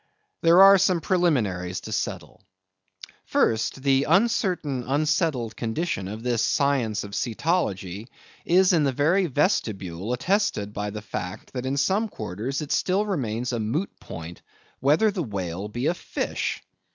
There are some preliminaries to settle. First: The uncertain, unsettled condition of this science of Cetology is in the very vestibule attested by the fact, that in some quarters it still remains a moot point whether a whale be a fish.